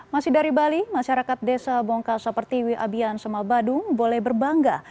masih dari bali masyarakat desa bongka sapertiwi abian sema badung boleh berbangga